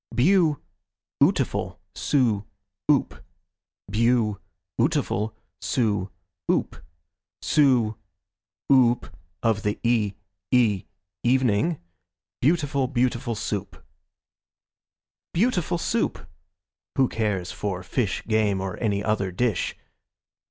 Beau ootiful Soo oop! Beau ootiful Soo oop! Soo oop of the e e evening, Beautiful, beautiful Soup! Beautiful Soup! Who cares for fish, Game, or any other dish?